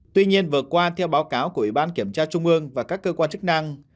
tuy nhiên vừa qua theo báo cáo của ủy ban kiểm tra trung ương và các cơ quan chức năng